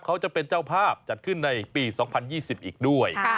เขาจะเป็นเจ้าภาพจัดขึ้นในปี๒๐๒๐อีกด้วย